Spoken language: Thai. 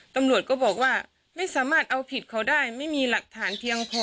ตำรวจก็บอกว่าไม่สามารถเอาผิดเขาได้ไม่มีหลักฐานเพียงพอ